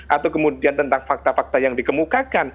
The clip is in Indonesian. atau kemudian tentang fakta fakta yang dikemukakan